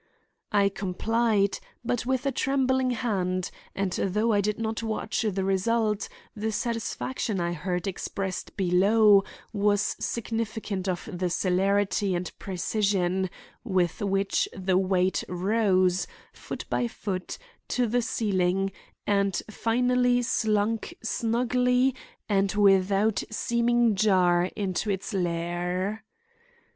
I complied, but with a trembling hand, and though I did not watch the result, the satisfaction I heard expressed below was significant of the celerity and precision with which the weight rose, foot by foot, to the ceiling and finally slunk snugly and without seeming jar into its lair.